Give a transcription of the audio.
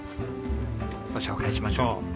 ご紹介しましょう。